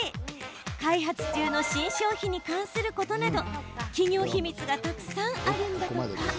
開発中の新商品に関することなど企業秘密がたくさんあるんだとか。